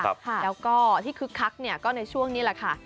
แล้วก็ที่คึกคักเนี่ยก็ในช่วงนี้แหละค่ะ